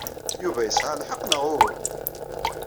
Yuba yesɛa lḥeqq, neɣ uhu?